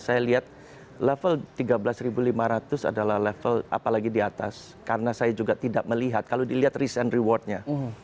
saya lihat level tiga belas lima ratus adalah level apalagi di atas karena saya juga tidak melihat kalau dilihat risk and rewardnya